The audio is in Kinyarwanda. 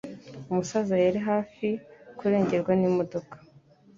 Umusaza yari hafi kurengerwa n'imodoka.